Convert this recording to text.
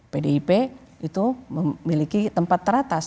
pdip itu memiliki tempat teratas